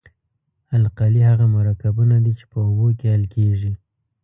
القلي هغه مرکبونه دي چې په اوبو کې حل کیږي.